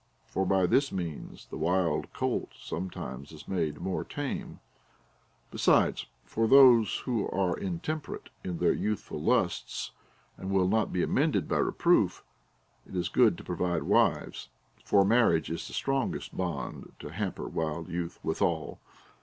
For by this means the wild colt sometimes is made more tame. Besides, fo) those who are intemperate in their youthful lusts, and will not be amended by reproof, it is good to provide wives ; for marriage is the strongest bond to hamper wild youth withal.